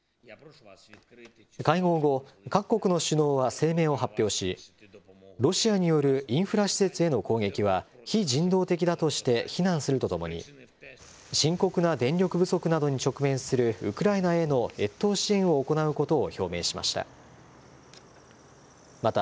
会合後、各国の首脳は声明を発表し、ロシアによるインフラ施設への攻撃は非人道的だとして非難するとともに、深刻な電力不足に直面するウクライナへの越冬支援を行うことを表明しました。